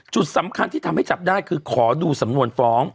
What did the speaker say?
จุดสำคัญที่ทำให้จับได้คือขอดูสำนวนฟ้อง